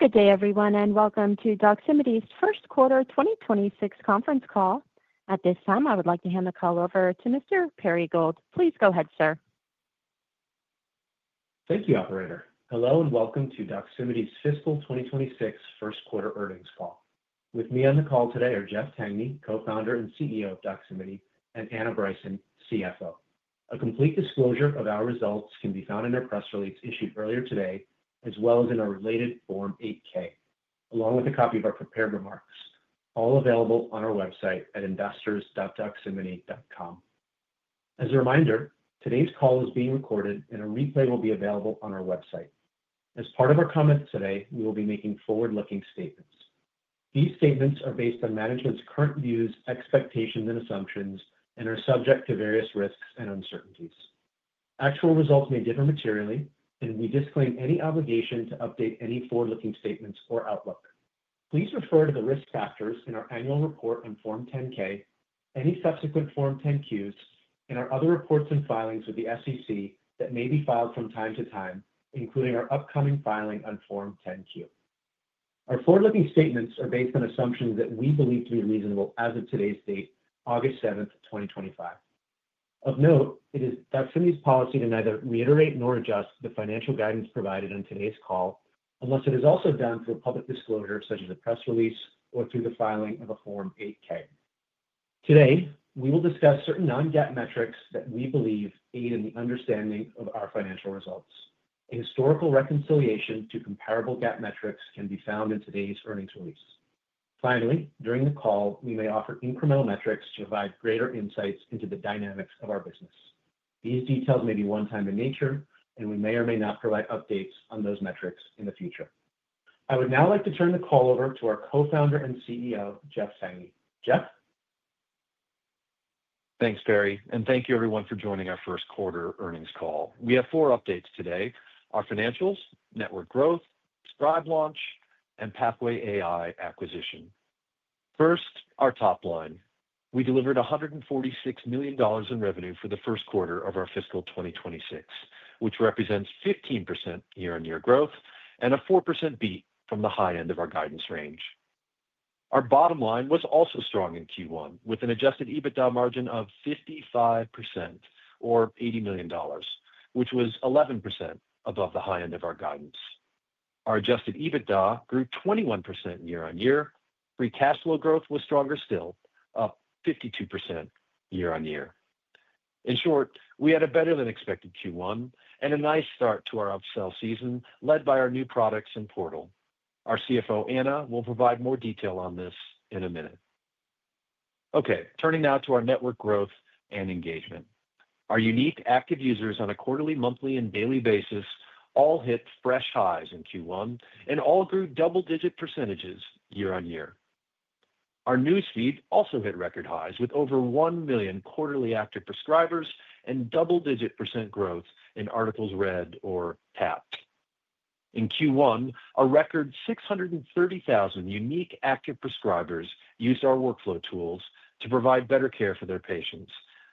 Good day, everyone, and welcome to Doximity's Ffirst Quarter 2026 Conference Call. At this time, I would like to hand the call over to Mr. Perry Gold. Please go ahead, sir. Thank you, operator. Hello and welcome to Doximity's fiscal 2026 first quarter earnings call. With me on the call today are Jeff Tangney, Co-Founder and CEO of Doximity, and Anna Bryson, CFO. A complete disclosure of our results can be found in our press release issued earlier today, as well as in our related Form 8-K, along with a copy of our prepared remarks, all available on our website at investors.doximity.com. As a reminder, today's call is being recorded, and a replay will be available on our website. As part of our comments today, we will be making forward-looking statements. These statements are based on management's current views, expectations, and assumptions, and are subject to various risks and uncertainties. Actual results may differ materially, and we disclaim any obligation to update any forward-looking statements or outlook. Please refer to the risk factors in our annual report and Form 10-K, any subsequent Form 10-Qs, and our other reports and filings with the SEC that may be filed from time to time, including our upcoming filing on Form 10-Q. Our forward-looking statements are based on assumptions that we believe to be reasonable as of today's date, August 7, 2025. Of note, it is Doximity's policy to neither reiterate nor adjust the financial guidance provided on today's call unless it is also done through a public disclosure such as a press release or through the filing of a Form 8-K. Today, we will discuss certain non-GAAP metrics that we believe aid in the understanding of our financial results. A historical reconciliation to comparable GAAP metrics can be found in today's earnings release. Finally, during the call, we may offer incremental metrics to provide greater insights into the dynamics of our business. These details may be one-time in nature, and we may or may not provide updates on those metrics in the future. I would now like to turn the call over to our Co-Founder and CEO, Jeff Tangney. Jeff? Thanks, Perry, and thank you everyone for joining our first quarter earnings call. We have four updates today: our financials, network growth, Thrive launch, and Pathway AI acquisition. First, our top line. We delivered $146 million in revenue for the first quarter of our fiscal 2026, which represents 15% year-on-year growth and a 4% beat from the high end of our guidance range. Our bottom line was also strong in Q1, with an adjusted EBITDA margin of 55% or $80 million, which was 11% above the high end of our guidance. Our adjusted EBITDA grew 21% year-on-year. Free cash flow growth was stronger still, up 52% year-on-year. In short, we had a better than expected Q1 and a nice start to our upsell season led by our new products and portal. Our CFO, Anna, will provide more detail on this in a minute. Turning now to our network growth and engagement. Our unique active users on a quarterly, monthly, and daily basis all hit fresh highs in Q1 and all grew double-digit percentages year-on-year. Our newsfeed also hit record highs with over 1 million quarterly active prescribers and double-digit percent growth in articles read or tapped. In Q1, a record 630,000 unique active prescribers used our workflow tools to provide better care for their patients.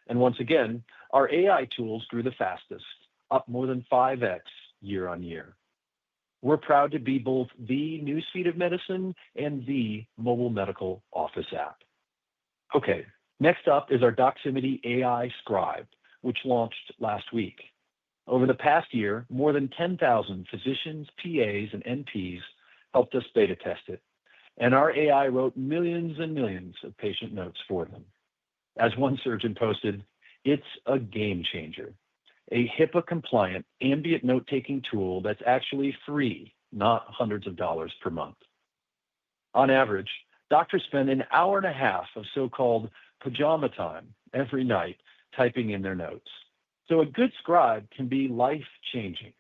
Once again, our AI tools grew the fastest, up more than 5x year-on-year. We're proud to be both the newsfeed of medicine and the mobile medical office app. Next up is our Doximity AI Scribe, which launched last week. Over the past year, more than 10,000 physicians, PAs, and NPs helped us beta test it, and our AI wrote millions and millions of patient notes for them. As one surgeon posted, it's a game changer. A HIPAA-compliant ambient note-taking tool that's actually free, not hundreds of dollars per month. On average, doctors spend an hour and a half of so-called pajama time every night typing in their notes. A good Scribe can be life-changing.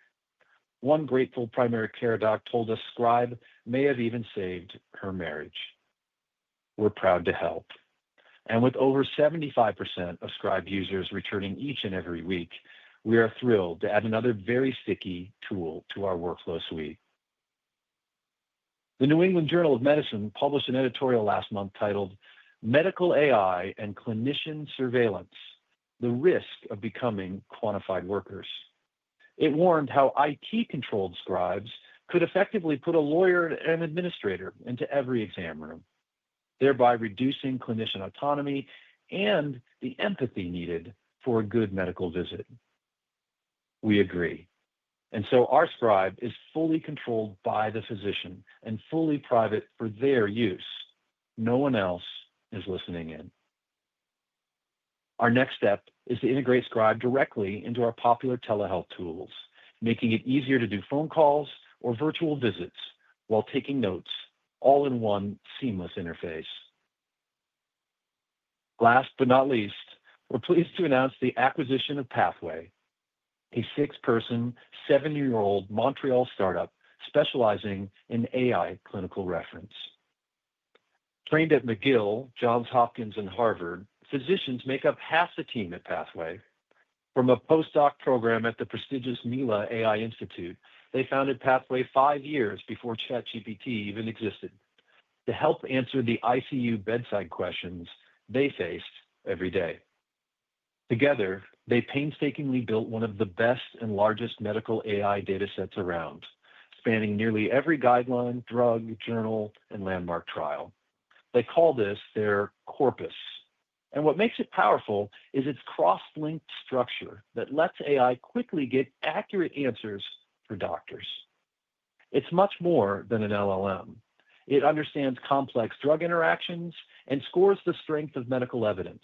One grateful primary care doc told us Scribe may have even saved her marriage. We're proud to help. With over 75% of Scribe users returning each and every week, we are thrilled to add another very sticky tool to our workflow suite. The New England Journal of Medicine published an editorial last month titled "Medical AI and Clinician Surveillance: The Risk of Becoming Quantified Workers." It warned how IT-controlled Scribes could effectively put a lawyer and an administrator into every exam room, thereby reducing clinician autonomy and the empathy needed for a good medical visit. We agree. Our Scribe is fully controlled by the physician and fully private for their use. No one else is listening in. Our next step is to integrate Scribe directly into our popular telehealth tools, making it easier to do phone calls or virtual visits while taking notes, all in one seamless interface. Last but not least, we're pleased to announce the acquisition of Pathway, a six-person, seven-year-old Montreal startup specializing in AI clinical reference. Trained at McGill, Johns Hopkins, and Harvard, physicians make up half the team at Pathway. From a postdoc program at the prestigious Mila AI Institute, they founded Pathway five years before ChatGPT even existed to help answer the ICU bedside questions they faced every day. Together, they painstakingly built one of the best and largest medical AI datasets around, spanning nearly every guideline, drug, journal, and landmark trial. They call this their corpus. What makes it powerful is its cross-linked structure that lets AI quickly get accurate answers for doctors. It's much more than an LLM. It understands complex drug interactions and scores the strength of medical evidence,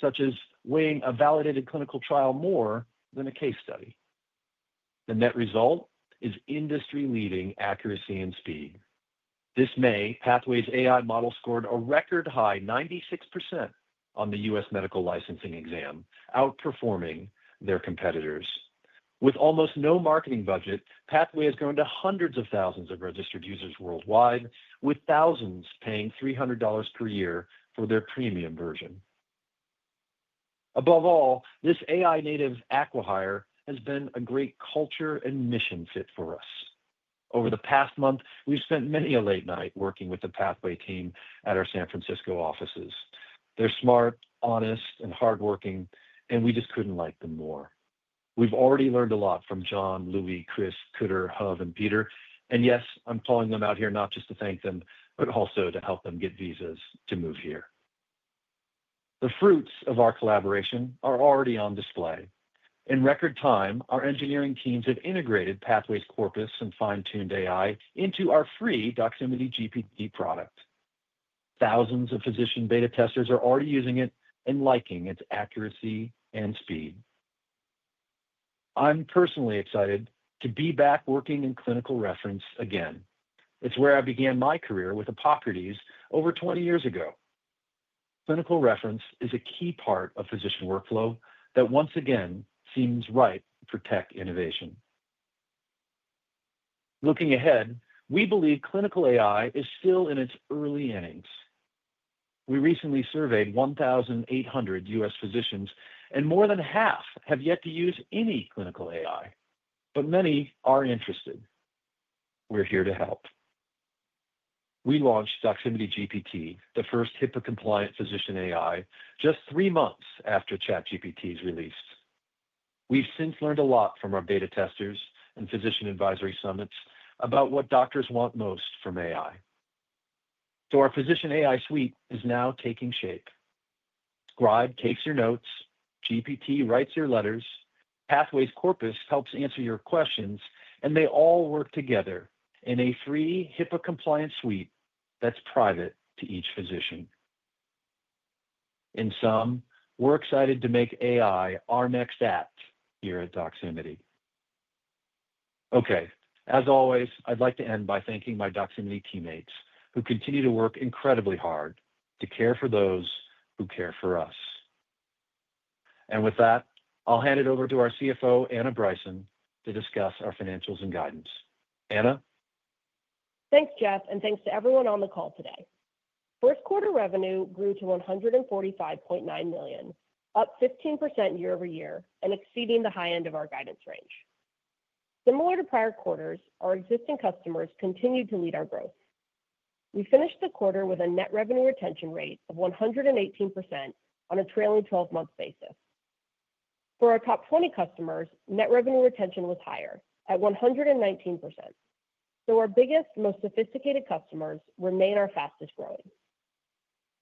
such as weighing a validated clinical trial more than a case study. The net result is industry-leading accuracy and speed. This May, Pathway's AI model scored a record high, 96% on the U.S. medical licensing exam, outperforming their competitors. With almost no marketing budget, Pathway has grown to hundreds of thousands of registered users worldwide, with thousands paying $300 per year for their premium version. Above all, this AI-native acquihire has been a great culture and mission fit for us. Over the past month, we've spent many a late night working with the Pathway team at our San Francisco offices. They're smart, honest, and hardworking, and we just couldn't like them more. We've already learned a lot from John, Louis, Chris, Cutter, Hov, and Peter, and yes, I'm calling them out here not just to thank them, but also to help them get visas to move here. The fruits of our collaboration are already on display. In record time, our engineering teams have integrated Pathway's corpus and fine-tuned AI into our free Doximity GPT product. Thousands of physician beta testers are already using it and liking its accuracy and speed. I'm personally excited to be back working in clinical reference again. It's where I began my career with Epocrates over 20 years ago. Clinical reference is a key part of physician workflow that once again seems right for tech innovation. Looking ahead, we believe clinical AI is still in its early innings. We recently surveyed 1,800 U.S. physicians, and more than half have yet to use any clinical AI. Many are interested. We're here to help. We launched Doximity GPT, the first HIPAA-compliant physician AI, just three months after ChatGPT's release. We've since learned a lot from our beta testers and physician advisory summits about what doctors want most from AI. Our physician AI suite is now taking shape. Scribe takes your notes, GPT writes your letters, Pathway's corpus helps answer your questions, and they all work together in a free HIPAA-compliant suite that's private to each physician. In sum, we're excited to make AI our next app here at Doximity. I'd like to end by thanking my Doximity teammates who continue to work incredibly hard to care for those who care for us. With that, I'll hand it over to our CFO, Anna Bryson, to discuss our financials and guidance. Anna? Thanks, Jeff, and thanks to everyone on the call today. First quarter revenue grew to $145.9 million, up 15% year-over-year and exceeding the high end of our guidance range. Similar to prior quarters, our existing customers continue to lead our growth. We finished the quarter with a net revenue retention rate of 118% on a trailing 12-month basis. For our top 20 customers, net revenue retention was higher at 119%. Our biggest, most sophisticated customers remain our fastest growing.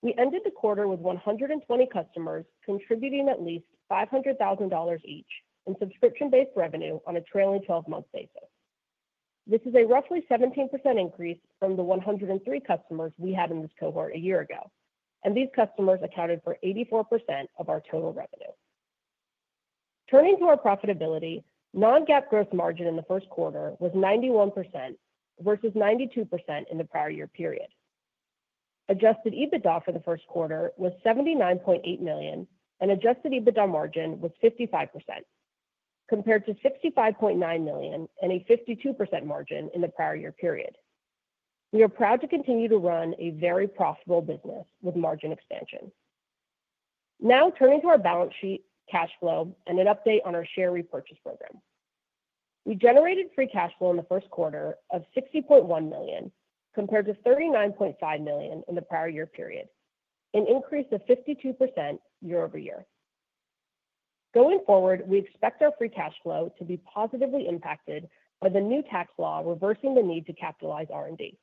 We ended the quarter with 120 customers contributing at least $500,000 each in subscription-based revenue on a trailing 12-month basis. This is a roughly 17% increase from the 103 customers we had in this cohort a year ago. These customers accounted for 84% of our total revenue. Turning to our profitability, non-GAAP gross margin in the first quarter was 91% versus 92% in the prior year period. Adjusted EBITDA for the first quarter was $79.8 million, and adjusted EBITDA margin was 55%, compared to $65.9 million and a 52% margin in the prior year period. We are proud to continue to run a very profitable business with margin expansion. Now, turning to our balance sheet, cash flow, and an update on our share repurchase program. We generated free cash flow in the first quarter of $60.1 million, compared to $39.5 million in the prior year period, an increase of 52% year-over-year. Going forward, we expect our free cash flow to be positively impacted by the new tax law reversing the need to capitalize R&D.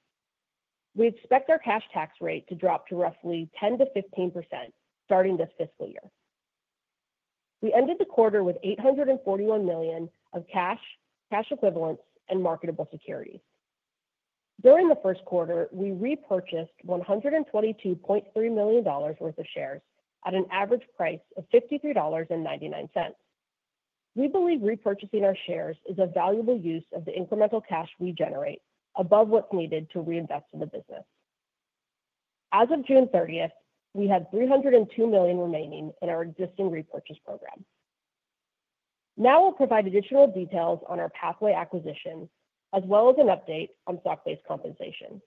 We expect our cash tax rate to drop to roughly 10%-15% starting this fiscal year. We ended the quarter with $841 million of cash, cash equivalents, and marketable securities. During the first quarter, we repurchased $122.3 million worth of shares at an average price of $53.99. We believe repurchasing our shares is a valuable use of the incremental cash we generate above what's needed to reinvest in the business. As of June 30, we had $302 million remaining in our existing repurchase program. Now I'll provide additional details on our Pathway acquisition, as well as an update on stock-based compensation.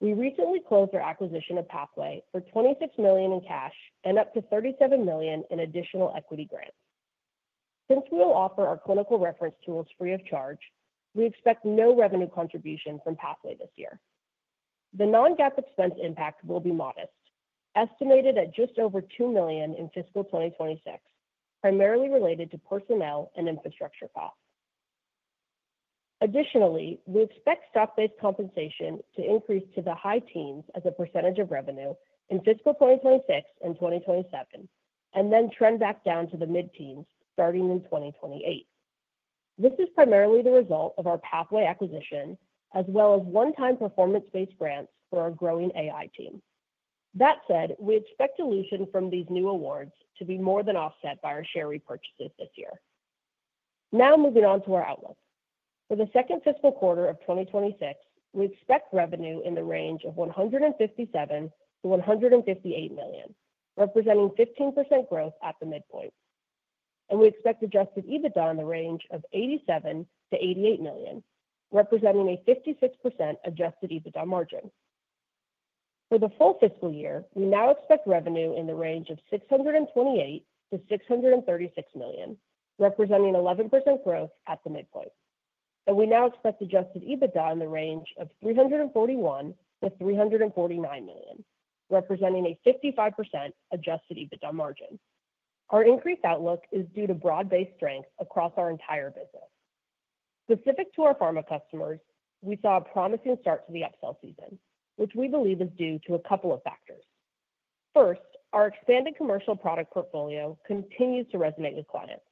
We recently closed our acquisition of Pathway for $26 million in cash and up to $37 million in additional equity grants. Since we will offer our clinical reference tools free of charge, we expect no revenue contribution from Pathway this year. The non-GAAP expense impact will be modest, estimated at just over $2 million in fiscal 2026, primarily related to personnel and infrastructure costs. Additionally, we expect stock-based compensation to increase to the high teens as a percent of revenue in fiscal 2026 and 2027, and then trend back down to the mid-teens starting in 2028. This is primarily the result of our Pathway acquisition, as well as one-time performance-based grants for our growing AI team. That said, we expect dilution from these new awards to be more than offset by our share repurchases this year. Now moving on to our outlook. For the second fiscal quarter of 2026, we expect revenue in the range of $157 million-$158 million, representing 15% growth at the midpoint. We expect adjusted EBITDA in the range of $87 million-$88 million, representing a 56% adjusted EBITDA margin. For the full fiscal year, we now expect revenue in the range of $628 million-$636 million, representing 11% growth at the midpoint. We now expect adjusted EBITDA in the range of $341 million-$349 million, representing a 55% adjusted EBITDA margin. Our increased outlook is due to broad-based strength across our entire business. Specific to our pharma customers, we saw a promising start to the upsell season, which we believe is due to a couple of factors. First, our expanding commercial product portfolio continues to resonate with clients.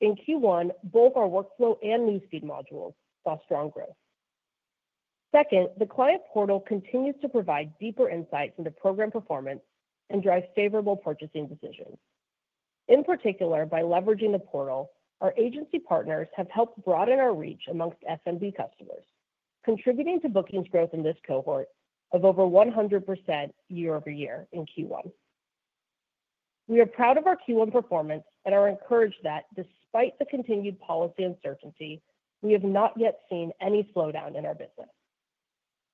In Q1, both our workflow and newsfeed modules saw strong growth. Second, the client portal continues to provide deeper insights into program performance and drive favorable purchasing decisions. In particular, by leveraging the portal, our agency partners have helped broaden our reach amongst F&B customers, contributing to bookings growth in this cohort of over 100% year-over-year in Q1. We are proud of our Q1 performance and are encouraged that, despite the continued policy uncertainty, we have not yet seen any slowdown in our business.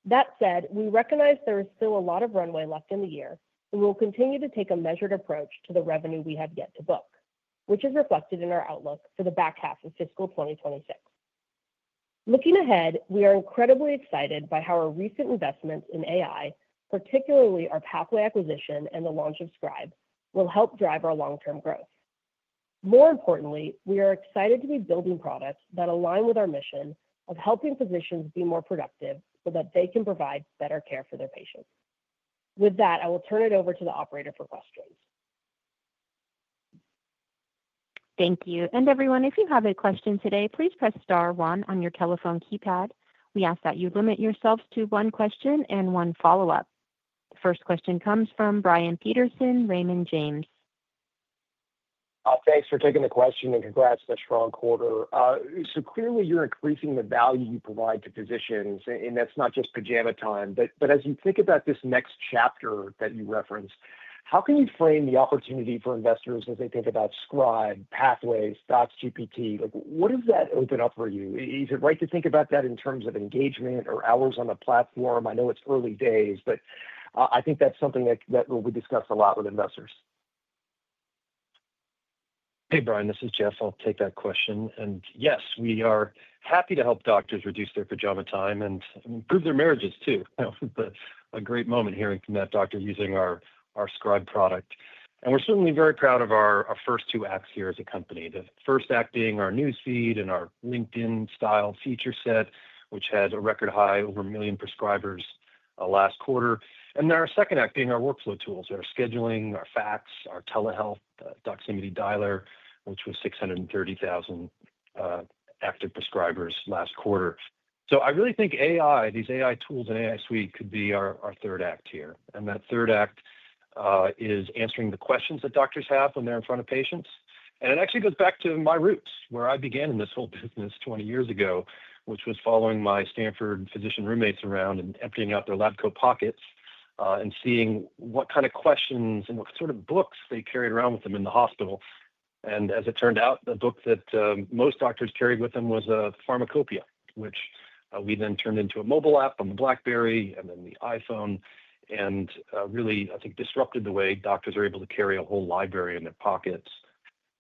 That said, we recognize there is still a lot of runway left in the year, and we will continue to take a measured approach to the revenue we have yet to book, which is reflected in our outlook for the back half of fiscal 2026. Looking ahead, we are incredibly excited by how our recent investments in AI, particularly our Pathway acquisition and the launch of Scribe, will help drive our long-term growth. More importantly, we are excited to be building products that align with our mission of helping physicians be more productive so that they can provide better care for their patients. With that, I will turn it over to the operator for questions. Thank you. If you have a question today, please press star one on your telephone keypad. We ask that you limit yourselves to one question and one follow-up. The first question comes from Brian Peterson, Raymond James. Thanks for taking the question and congrats on a strong quarter. Clearly, you're increasing the value you provide to physicians, and that's not just pajama time. As you think about this next chapter that you referenced, how can you frame the opportunity for investors as they think about Scribe, Pathway, Doximity GPT? What does that open up for you? Is it right to think about that in terms of engagement or hours on the platform? I know it's early days, but I think that's something that we discuss a lot with investors. Hey, Brian. This is Jeff. I'll take that question. Yes, we are happy to help doctors reduce their pajama time and improve their marriages too. A great moment hearing from that doctor using our Scribe product. We're certainly very proud of our first two acts here as a company, the first act being our newsfeed and our LinkedIn-style feature set, which had a record high of over 1 million prescribers last quarter. Our second act is our workflow tools: our scheduling, our fax, our telehealth, Doximity dialer, which was 630,000 active prescribers last quarter. I really think AI, these AI tools and AI suite, could be our third act here. That third act is answering the questions that doctors have when they're in front of patients. It actually goes back to my roots, where I began in this whole business 20 years ago, which was following my Stanford physician roommates around and emptying out their lab coat pockets and seeing what kind of questions and what sort of books they carried around with them in the hospital. As it turned out, the book that most doctors carried with them was a pharmacopoeia, which we then turned into a mobile app on the BlackBerry and then the iPhone, and really, I think, disrupted the way doctors are able to carry a whole library in their pockets.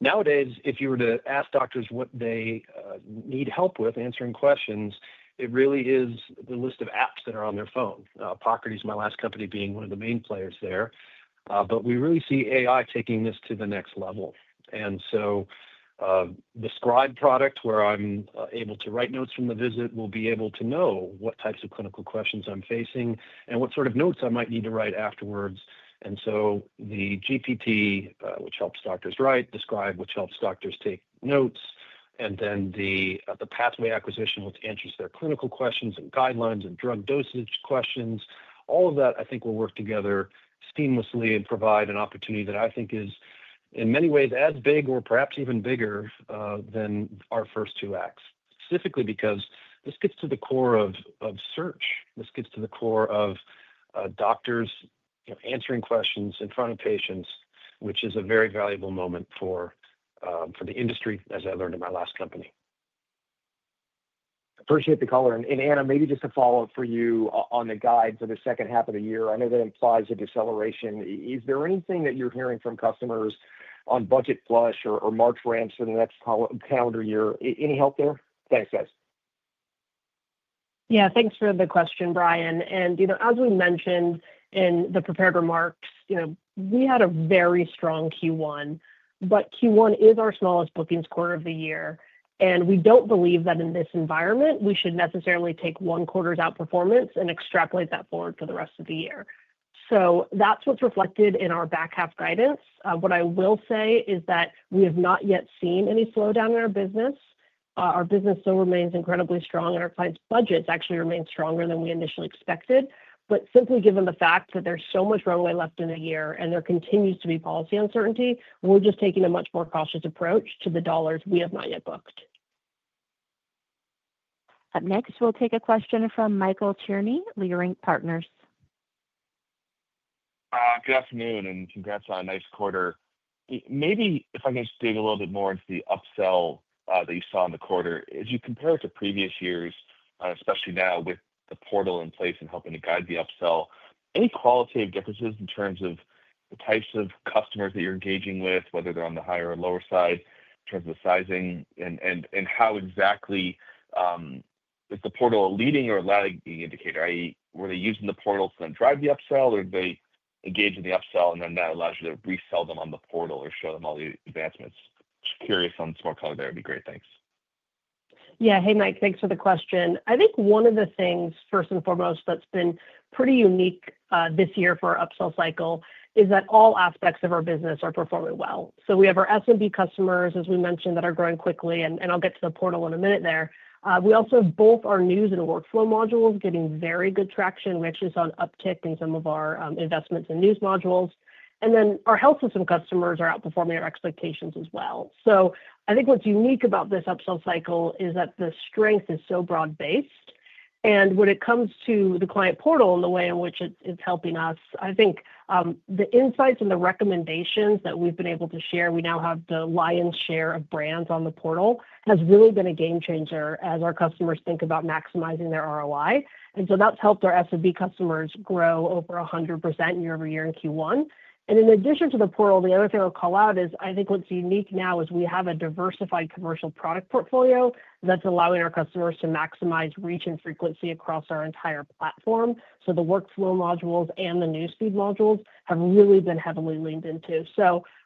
Nowadays, if you were to ask doctors what they need help with answering questions, it really is the list of apps that are on their phone. Pocket is my last company being one of the main players there. We really see AI taking this to the next level. The Scribe product, where I'm able to write notes from the visit, will be able to know what types of clinical questions I'm facing and what sort of notes I might need to write afterwards. The GPT, which helps doctors write, the Scribe, which helps doctors take notes, and then the Pathway acquisition, which answers their clinical questions and guidelines and drug dosage questions, all of that, I think, will work together seamlessly and provide an opportunity that I think is, in many ways, as big or perhaps even bigger than our first two acts, specifically because this gets to the core of search. This gets to the core of doctors answering questions in front of patients, which is a very valuable moment for the industry, as I learned in my last company. Appreciate the color. Anna, maybe just a follow-up for you on the guides of the second half of the year. I know that implies a deceleration. Is there anything that you're hearing from customers on budget flush or March ramps in the next calendar year? Any help there? Thanks, guys. Yeah, thanks for the question, Brian. As we mentioned in the prepared remarks, we had a very strong Q1. Q1 is our smallest bookings quarter of the year. We don't believe that in this environment, we should necessarily take one quarter's outperformance and extrapolate that forward for the rest of the year. That's what's reflected in our back half guidance. What I will say is that we have not yet seen any slowdown in our business. Our business still remains incredibly strong, and our clients' budgets actually remain stronger than we initially expected. Simply given the fact that there's so much runway left in the year and there continues to be policy uncertainty, we're just taking a much more cautious approach to the dollars we have not yet booked. Up next, we'll take a question from Michael Cherny, Leerink Partners. Good afternoon, and congrats on a nice quarter. Maybe if I can just dig a little bit more into the upsell that you saw in the quarter, as you compare it to previous years, especially now with the portal in place and helping to guide the upsell, any qualitative differences in terms of the types of customers that you're engaging with, whether they're on the higher or lower side in terms of the sizing, and how exactly is the portal a leading or lagging indicator? Were they using the portal to then drive the upsell, or did they engage in the upsell and then that allows you to resell them on the portal or show them all the advancements? Just curious on the smart color there. It'd be great. Thanks. Yeah. Hey, Mike. Thanks for the question. I think one of the things, first and foremost, that's been pretty unique this year for our upsell cycle is that all aspects of our business are performing well. We have our SMB customers, as we mentioned, that are growing quickly. I'll get to the portal in a minute there. We also have both our news and workflow modules getting very good traction. We actually saw an uptick in some of our investments in news modules. Our health system customers are outperforming our expectations as well. I think what's unique about this upsell cycle is that the strength is so broad-based. When it comes to the client portal and the way in which it's helping us, I think the insights and the recommendations that we've been able to share, we now have the lion's share of brands on the portal, has really been a game changer as our customers think about maximizing their ROI. That's helped our SMB customers grow over 100% year-over-year in Q1. In addition to the portal, the other thing I'll call out is I think what's unique now is we have a diversified commercial product portfolio that's allowing our customers to maximize reach and frequency across our entire platform. The workflow modules and the newsfeed modules have really been heavily leaned into.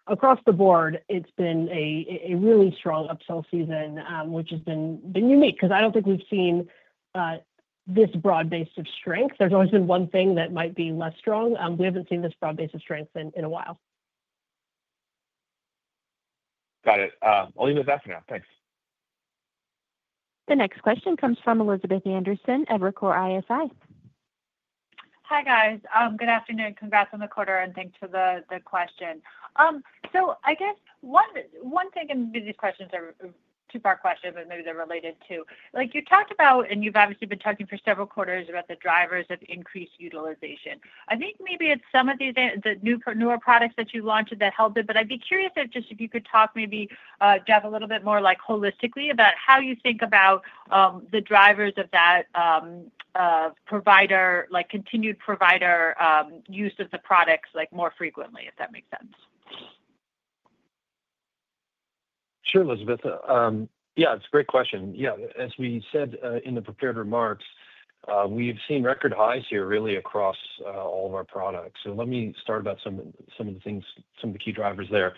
Across the board, it's been a really strong upsell season, which has been unique because I don't think we've seen this broad base of strength. There's always been one thing that might be less strong. We haven't seen this broad base of strength in a while. Got it. I'll leave it with that for now. Thanks. The next question comes from Elizabeth Anderson, Evercore ISI. Hi, guys. Good afternoon. Congrats on the quarter and thanks for the question. I guess one thing, and these questions are two-part questions, but maybe they're related too. Like you talked about, and you've obviously been talking for several quarters about the drivers of increased utilization. I think maybe it's some of the newer products that you launched that helped it. I'd be curious if you could talk, maybe, Jeff, a little bit more holistically about how you think about the drivers of that provider, like continued provider use of the products more frequently, if that makes sense. Sure, Elizabeth. Yeah, it's a great question. As we said in the prepared remarks, we've seen record highs here really across all of our products. Let me start about some of the things, some of the key drivers there.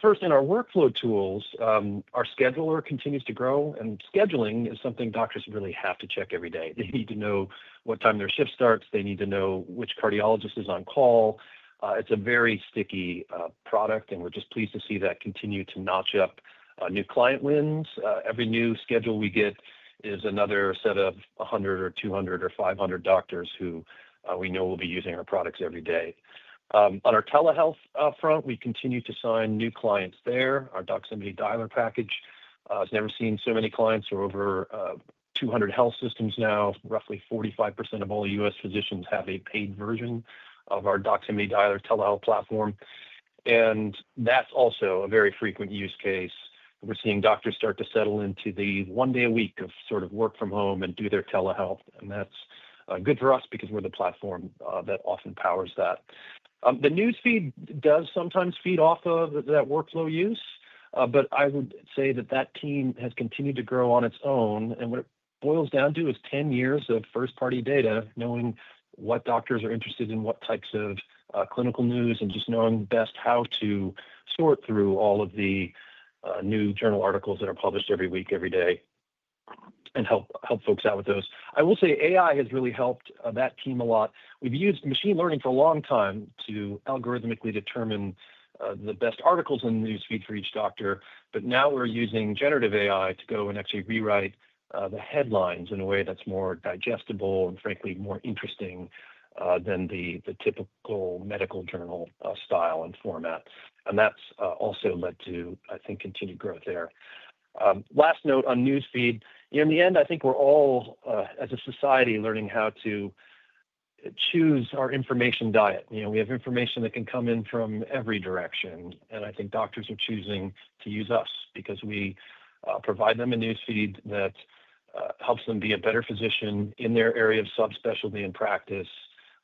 First, in our workflow tools, our scheduler continues to grow, and scheduling is something doctors really have to check every day. They need to know what time their shift starts. They need to know which cardiologist is on call. It's a very sticky product, and we're just pleased to see that continue to notch up new client wins. Every new schedule we get is another set of 100 or 200 or 500 doctors who we know will be using our products every day. On our telehealth front, we continue to sign new clients there. Our Doximity Dialer package has never seen so many clients. We're over 200 health systems now. Roughly 45% of all U.S. physicians have a paid version of our Doximity Dialer telehealth platform, and that's also a very frequent use case. We're seeing doctors start to settle into the one-day-a-week sort of work from home and do their telehealth. That's good for us because we're the platform that often powers that. The newsfeed does sometimes feed off of that workflow use, but I would say that team has continued to grow on its own. What it boils down to is 10 years of first-party data, knowing what doctors are interested in, what types of clinical news, and just knowing best how to sort through all of the new journal articles that are published every week, every day, and help folks out with those. I will say AI has really helped that team a lot. We've used machine learning for a long time to algorithmically determine the best articles in the newsfeed for each doctor. Now we're using generative AI to go and actually rewrite the headlines in a way that's more digestible and frankly more interesting than the typical medical journal style and format. That's also led to, I think, continued growth there. Last note on newsfeed, in the end, I think we're all, as a society, learning how to choose our information diet. We have information that can come in from every direction. I think doctors are choosing to use us because we provide them a newsfeed that helps them be a better physician in their area of subspecialty and practice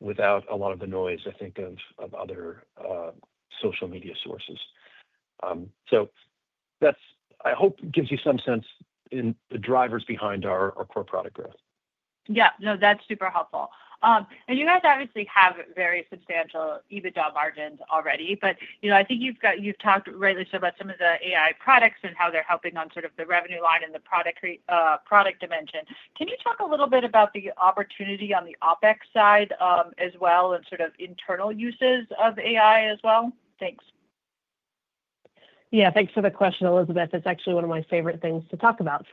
without a lot of the noise of other social media sources. I hope that gives you some sense in the drivers behind our core product growth. Yeah, no, that's super helpful. You guys obviously have very substantial EBITDA margins already. I think you've talked really about some of the AI products and how they're helping on the revenue line and the product dimension. Can you talk a little bit about the opportunity on the OpEx side as well and internal uses of AI as well? Thanks. Yeah, thanks for the question, Elizabeth. That's actually one of my favorite things to talk about.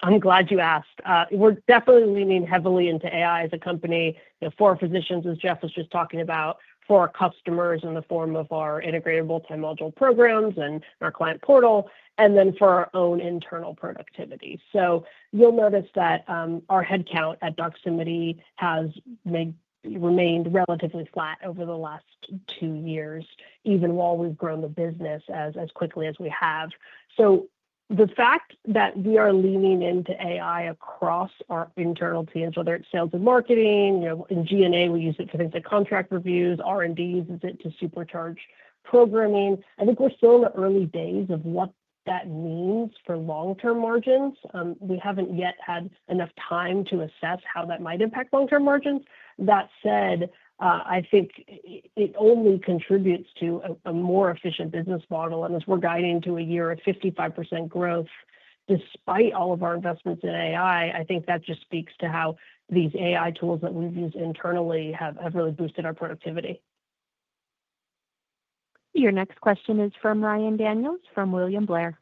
I'm glad you asked. We're definitely leaning heavily into AI as a company, you know, for physicians, as Jeff was just talking about, for our customers in the form of our integrated multi-module programs and our client portal, and then for our own internal productivity. You'll notice that our headcount at Doximity has remained relatively flat over the last two years, even while we've grown the business as quickly as we have. The fact that we are leaning into AI across our internal teams, whether it's sales and marketing, you know, in G&A, we use it to think the contract reviews. R&D uses it to supercharge programming. I think we're still in the early days of what that means for long-term margins. We haven't yet had enough time to assess how that might impact long-term margins. That said, I think it only contributes to a more efficient business model. As we're guiding to a year of 55% growth, despite all of our investments in AI, I think that just speaks to how these AI tools that we've used internally have really boosted our productivity. Your next question is from Ryan Daniels from William Blair.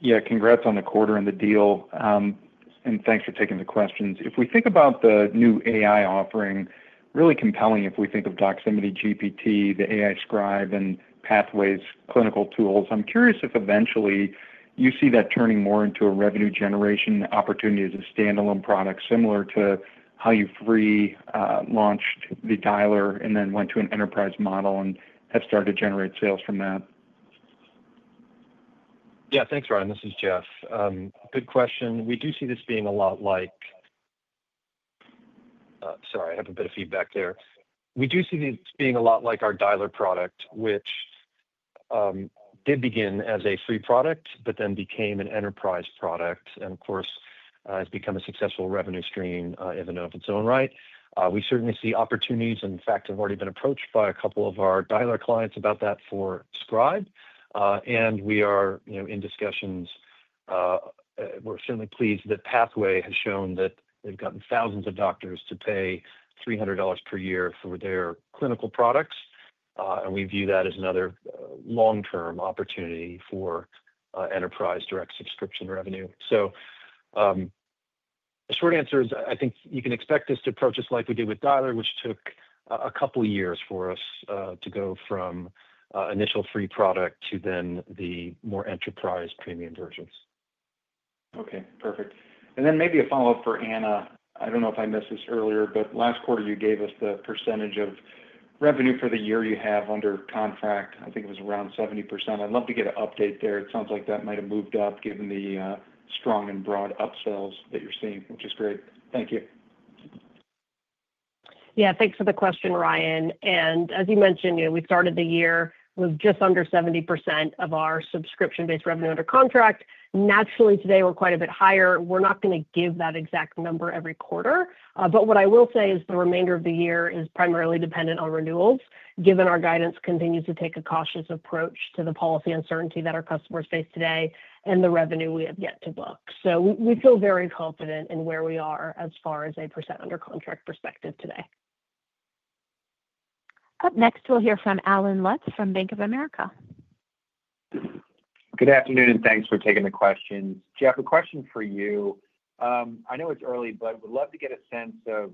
Yeah, congrats on the quarter and the deal. Thanks for taking the questions. If we think about the new AI offering, really compelling if we think of Doximity GPT, the AI Scribe, and Pathway's clinical tools, I'm curious if eventually you see that turning more into a revenue generation opportunity as a standalone product similar to how you free launched the dialer and then went to an enterprise model and have started to generate sales from that. Yeah. Thanks, Ryan. This is Jeff. Good question. We do see this being a lot like our dialer product, which did begin as a free product, but then became an enterprise product. Of course, it's become a successful revenue stream even of its own right. We certainly see opportunities, and in fact, have already been approached by a couple of our dialer clients about that for Scribe. We are in discussions. We're certainly pleased that Pathway has shown that they've gotten thousands of doctors to pay $300 per year for their clinical products. We view that as another long-term opportunity for enterprise direct subscription revenue. The short answer is I think you can expect us to approach this like we did with dialer, which took a couple of years for us to go from an initial free product to then the more enterprise premium versions. Okay, perfect. Maybe a follow-up for Anna. I don't know if I missed this earlier, but last quarter you gave us the percentage of revenue for the year you have under contract. I think it was around 70%. I'd love to get an update there. It sounds like that might have moved up given the strong and broad upsells that you're seeing, which is great. Thank you. Yeah, thanks for the question, Ryan. As you mentioned, we've started the year with just under 70% of our subscription-based revenue under contract. Naturally, today we're quite a bit higher. We're not going to give that exact number every quarter. What I will say is the remainder of the year is primarily dependent on renewals, given our guidance continues to take a cautious approach to the policy uncertainty that our customers face today and the revenue we have yet to book. We feel very confident in where we are as far as a percent under contract perspective today. Up next, we'll hear from Allen Lutz from Bank of America. Good afternoon, and thanks for taking the question. Jeff, a question for you. I know it's early, but I would love to get a sense of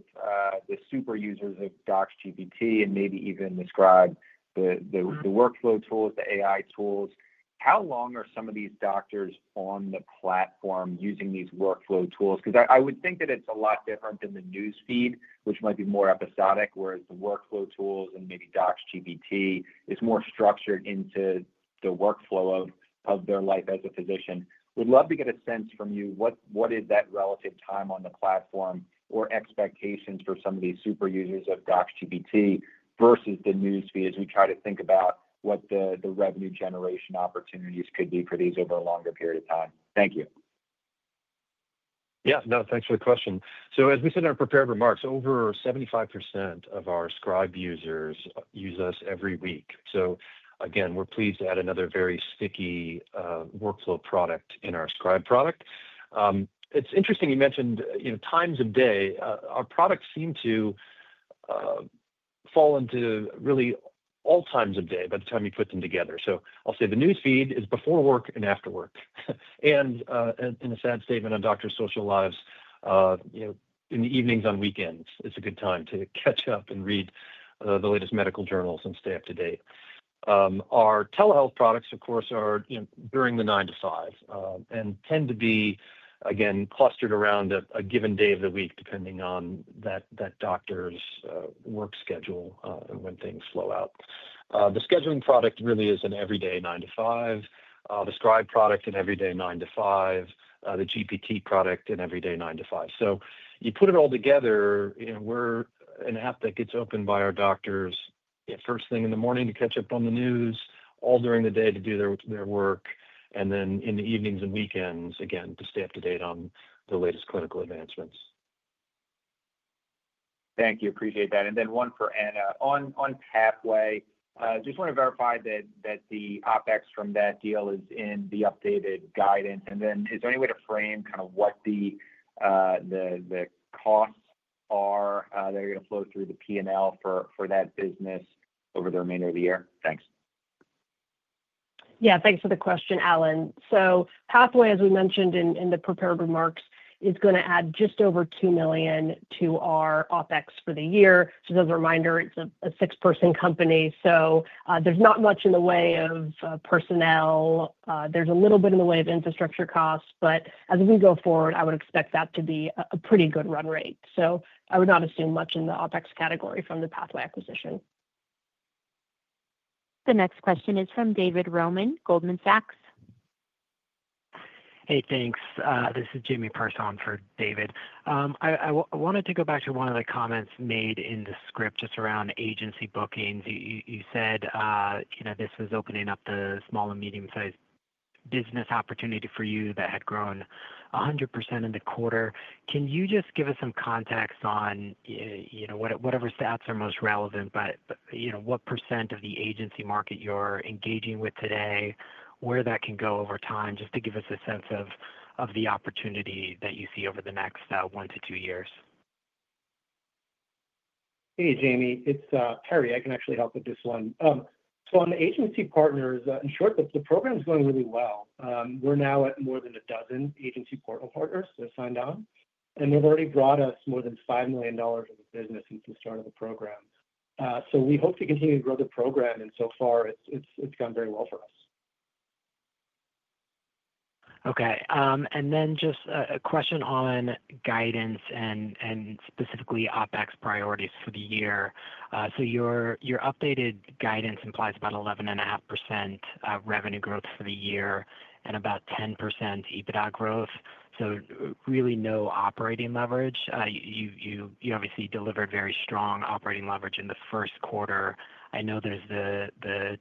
the super users of Doximity GPT and maybe even the Scribe, the workflow tools, the AI tools. How long are some of these doctors on the platform using these workflow tools? I would think that it's a lot different than the newsfeed, which might be more episodic, whereas the workflow tools and maybe Doximity GPT is more structured into the workflow of their life as a physician. We'd love to get a sense from you what is that relative time on the platform or expectations for some of these super users of Doximity GPT versus the newsfeed as we try to think about what the revenue generation opportunities could be for these over a longer period of time. Thank you. Thank you for the question. As we said in our prepared remarks, over 75% of our Scribe users use us every week. We are pleased to add another very sticky workflow product in our Scribe product. It's interesting you mentioned times of day. Our products seem to fall into really all times of day by the time you put them together. The newsfeed is before work and after work. In a sad statement on doctors' social lives, in the evenings on weekends, it's a good time to catch up and read the latest medical journals and stay up to date. Our telehealth products, of course, are during the 9:00 A.M. to 5:00 P.M. and tend to be clustered around a given day of the week, depending on that doctor's work schedule and when things flow out. The scheduling product really is an everyday 9:00 A.M. to 5:00 P.M. The Scribe product, an everyday 9:00 A.M. to 5:00 P.M. The GPT product, an everyday 9:00 A.M. to 5:00 P.M. You put it all together, we are an app that gets opened by our doctors first thing in the morning to catch up on the news, all during the day to do their work, and then in the evenings and weekends to stay up to date on the latest clinical advancements. Thank you. Appreciate that. One for Anna. On Pathway, I just want to verify that the OpEx from that deal is in the updated guidance. Is there any way to frame kind of what the costs are that are going to flow through the P&L for that business over the remainder of the year? Thanks. Yeah, thanks for the question, Allen. Pathway, as we mentioned in the prepared remarks, is going to add just over $2 million to our OpEx for the year. Just as a reminder, it's a six-person company, so there's not much in the way of personnel. There's a little bit in the way of infrastructure costs, but as we go forward, I would expect that to be a pretty good run rate. I would not assume much in the OpEx category from the Pathway acquisition. The next question is from David Roman, Goldman Sachs. Hey, thanks. This is Jamie Parson for David. I wanted to go back to one of the comments made in the script just around agency bookings. You said this was opening up the small and medium-sized business opportunity for you that had grown 100% in the quarter. Can you just give us some context on whatever stats are most relevant, but what percent of the agency market you're engaging with today, where that can go over time, just to give us a sense of the opportunity that you see over the next one to two years? Hey, Jamie. It's Perry. I can actually help with this one. On the agency partners, in short, the program is going really well. We're now at more than a dozen agency portal partners that have signed on, and they've already brought us more than $5 million of the business since the start of the program. We hope to continue to grow the program, and so far, it's gone very well for us. Okay. Just a question on guidance and specifically OpEx priorities for the year. Your updated guidance implies about 11.5% revenue growth for the year and about 10% EBITDA growth, so really no operating leverage. You obviously delivered very strong operating leverage in the first quarter. I know there's the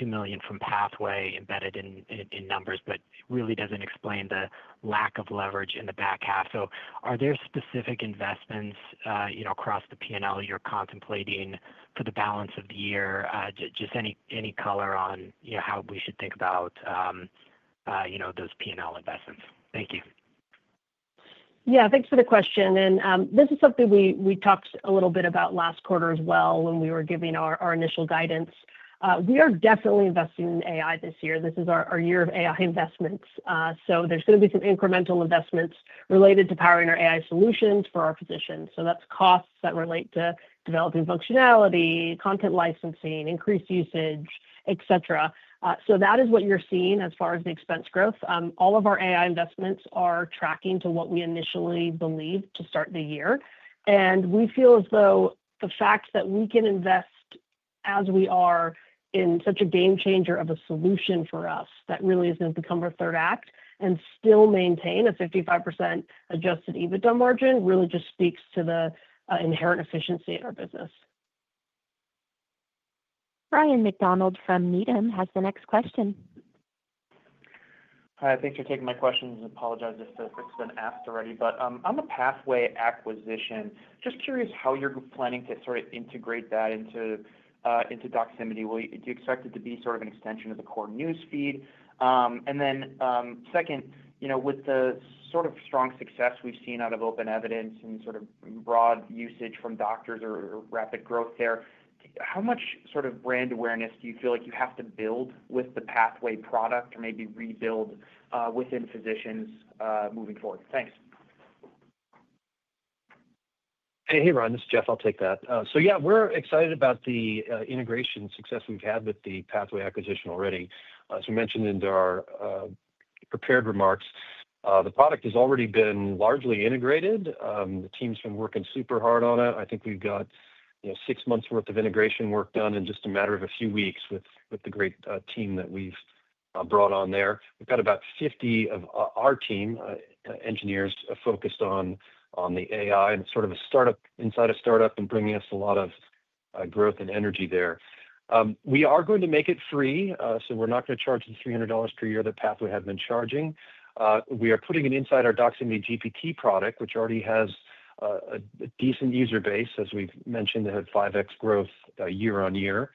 $2 million from Pathway embedded in numbers, but it really doesn't explain the lack of leverage in the back half. Are there specific investments across the P&L you're contemplating for the balance of the year? Any color on how we should think about those P&L investments? Thank you. Yeah, thanks for the question. This is something we talked a little bit about last quarter as well when we were giving our initial guidance. We are definitely investing in AI this year. This is our year of AI investments. There is going to be some incremental investments related to powering our AI solutions for our physicians. That is costs that relate to developing functionality, content licensing, increased usage, etc. That is what you're seeing as far as the expense growth. All of our AI investments are tracking to what we initially believed to start the year. We feel as though the fact that we can invest as we are in such a game changer of a solution for us that really is going to become our third act and still maintain a 55% adjusted EBITDA margin really just speaks to the inherent efficiency in our business. Ryan MacDonald from Needham has the next question. Hi. Thanks for taking my questions. I apologize if this has been asked already. On the Pathway acquisition, just curious how you're planning to sort of integrate that into Doximity. Do you expect it to be sort of an extension of the core newsfeed? Second, with the sort of strong success we've seen out of open evidence and sort of broad usage from doctors or rapid growth there, how much sort of brand awareness do you feel like you have to build with the Pathway product or maybe rebuild within physicians moving forward? Thanks. Hey, hey, Ryan. This is Jeff. I'll take that. Yeah, we're excited about the integration success we've had with the Pathway acquisition already. As we mentioned in our prepared remarks, the product has already been largely integrated. The team's been working super hard on it. I think we've got six months' worth of integration work done in just a matter of a few weeks with the great team that we've brought on there. We've got about 50 of our team engineers focused on the AI and sort of a startup inside a startup, bringing us a lot of growth and energy there. We are going to make it free, so we're not going to charge the $300 per year that Pathway had been charging. We are putting it inside our Doximity GPT product, which already has a decent user base, as we've mentioned, that had 5X growth year on year.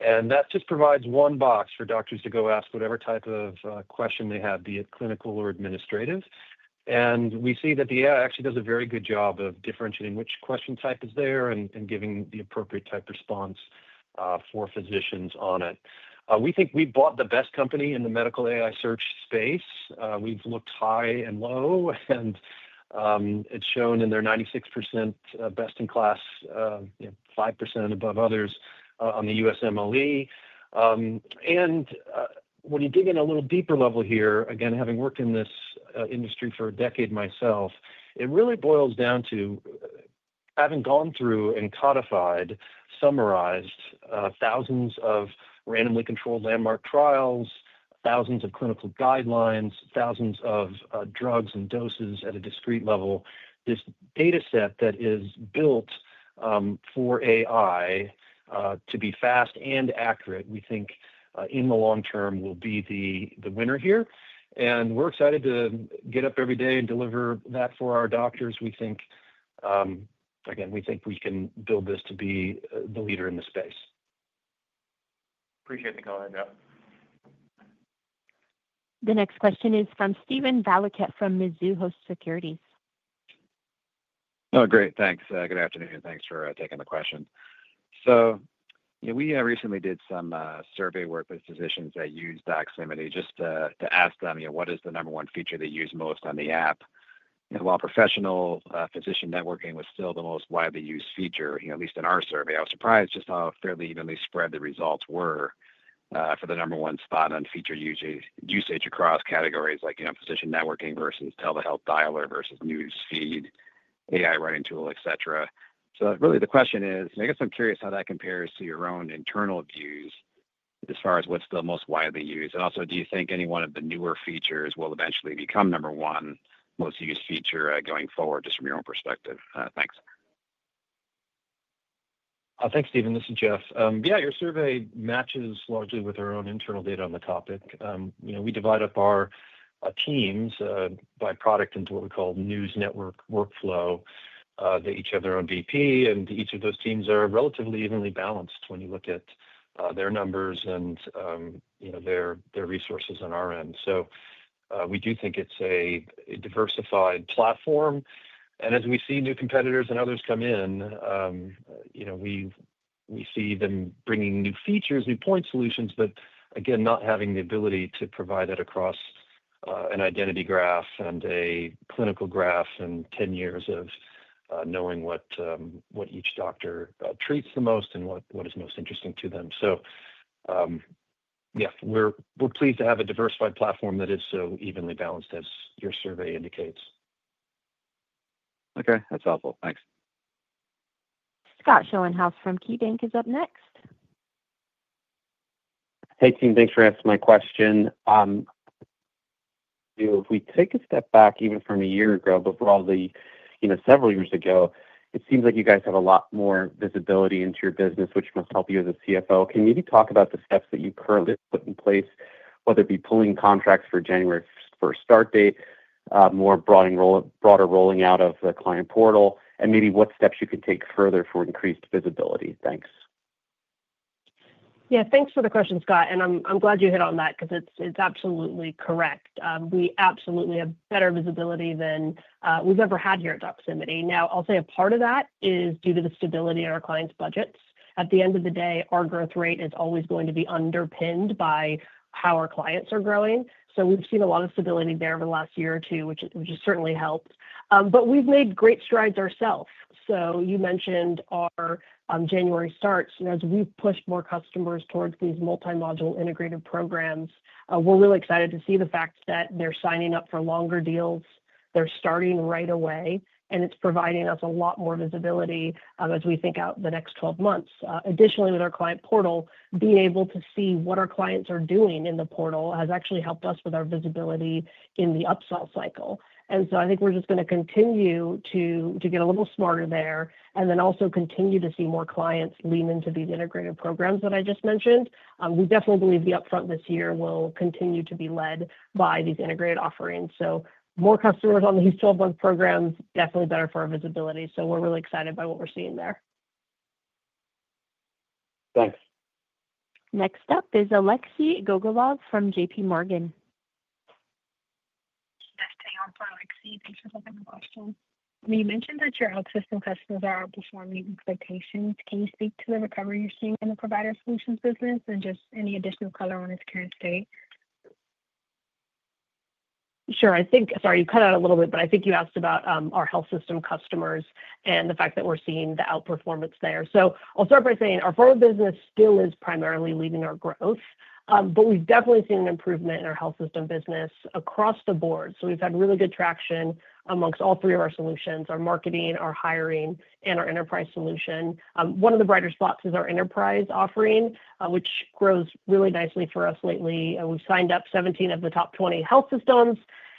That just provides one box for doctors to go ask whatever type of question they have, be it clinical or administrative. We see that the AI actually does a very good job of differentiating which question type is there and giving the appropriate type response for physicians on it. We think we bought the best company in the medical AI search space. We've looked high and low, and it's shown in their 96% best-in-class, 5% above others on the USMLE. When you dig in a little deeper level here, again, having worked in this industry for a decade myself, it really boils down to having gone through and codified, summarized thousands of randomly controlled landmark trials, thousands of clinical guidelines, thousands of drugs and doses at a discrete level, this dataset that is built for AI to be fast and accurate, we think in the long term will be the winner here. We're excited to get up every day and deliver that for our doctors. We think, again, we think we can build this to be the leader in the space. Appreciate the comment, Jeff. The next question is from Stephen Valiquette from Mizuho Securities. Oh, great. Thanks. Good afternoon. Thanks for taking the question. We recently did some survey work with physicians that use Doximity just to ask them what is the number one feature they use most on the app. While professional physician networking was still the most widely used feature, at least in our survey, I was surprised just how fairly evenly spread the results were for the number one spot on feature usage across categories like physician networking versus telehealth dialer versus newsfeed, AI writing tool, etc. The question is, I guess I'm curious how that compares to your own internal views as far as what's the most widely used. Also, do you think any one of the newer features will eventually become number one most used feature going forward, just from your own perspective? Thanks. Thanks, Steven. This is Jeff. Yeah, your survey matches largely with our own internal data on the topic. We divide up our teams by product into what we call news, network, workflow. They each have their own VP, and each of those teams are relatively evenly balanced when you look at their numbers and their resources on our end. We do think it's a diversified platform. As we see new competitors and others come in, we see them bringing new features, new point solutions, but again, not having the ability to provide it across an identity graph and a clinical graph and 10 years of knowing what each doctor treats the most and what is most interesting to them. Yeah, we're pleased to have a diversified platform that is so evenly balanced, as your survey indicates. Okay, that's helpful. Thanks. Scott Schoenhaus from KeyBanc is up next. Hey, team. Thanks for asking my question. If we take a step back even from a year ago, but broadly, you know, several years ago, it seems like you guys have a lot more visibility into your business, which must help you as a CFO. Can you maybe talk about the steps that you currently put in place, whether it be pulling contracts for January 1 start date, more broadly rolling out of the client portal, and maybe what steps you could take further for increased visibility? Thanks. Yeah, thanks for the question, Scott. I'm glad you hit on that because it's absolutely correct. We absolutely have better visibility than we've ever had here at Doximity. I'll say a part of that is due to the stability in our clients' budgets. At the end of the day, our growth rate is always going to be underpinned by how our clients are growing. We've seen a lot of stability there over the last year or two, which has certainly helped. We've made great strides ourselves. You mentioned our January starts. As we've pushed more customers towards these multi-module integrated programs, we're really excited to see the fact that they're signing up for longer deals, they're starting right away, and it's providing us a lot more visibility as we think out the next 12 months. Additionally, with our client portal, being able to see what our clients are doing in the portal has actually helped us with our visibility in the upsell cycle. I think we're just going to continue to get a little smarter there and also continue to see more clients lean into these integrated programs that I just mentioned. We definitely believe the upfront this year will continue to be led by these integrated offerings. More customers on these 12-month programs is definitely better for our visibility. We're really excited by what we're seeing there. Thanks. Next up is Alexei Gogolev from J.P. Morgan. Yes, hey Alexi, thanks for taking the question. You mentioned that your health system customers are outperforming expectations. Can you speak to the recovery you're seeing in the provider solutions business and just any additional color on its current state? Sure. I think, sorry, you cut out a little bit, but I think you asked about our health system customers and the fact that we're seeing the outperformance there. I'll start by saying our pharma business still is primarily leading our growth, but we've definitely seen an improvement in our health system business across the board. We've had really good traction amongst all three of our solutions, our marketing, our hiring, and our enterprise solution. One of the brighter spots is our enterprise offering, which grows really nicely for us lately. We've signed up 17 of the top 20 health systems,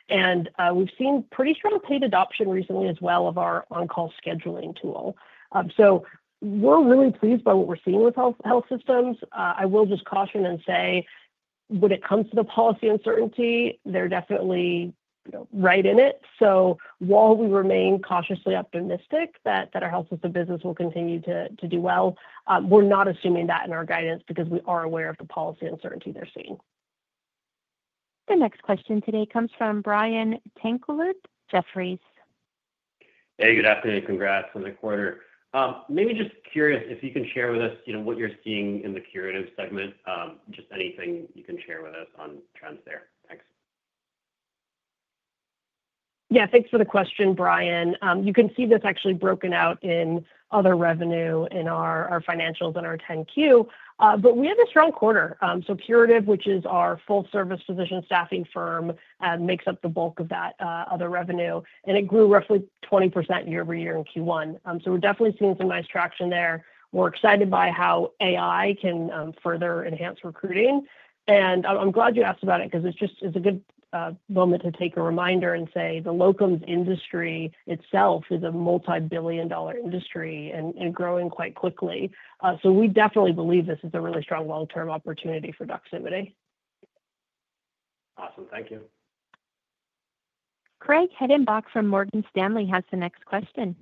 and we've seen pretty strong paid adoption recently as well of our on-call scheduling tool. We're really pleased by what we're seeing with health systems. I will just caution and say, when it comes to the policy uncertainty, they're definitely right in it. While we remain cautiously optimistic that our health system business will continue to do well, we're not assuming that in our guidance because we are aware of the policy uncertainty they're seeing. The next question today comes from Brian Tanquilut at Jefferies. Hey, good afternoon. Congrats on the quarter. Maybe just curious if you can share with us what you're seeing in the curative segment, just anything you can share with us on trends there. Thanks. Yeah, thanks for the question, Brian. You can see this actually broken out in other revenue in our financials and our 10-Q. We have a strong quarter. Curative, which is our full-service physician staffing firm, makes up the bulk of that other revenue, and it grew roughly 20% year-over-year in Q1. We're definitely seeing some nice traction there. We're excited by how AI can further enhance recruiting. I'm glad you asked about it because it's just a good moment to take a reminder and say the locum industry itself is a multi-billion dollar industry and growing quite quickly. We definitely believe this is a really strong long-term opportunity for Doximity. Awesome. Thank you. Craig Hettenbach from Morgan Stanley has the next question.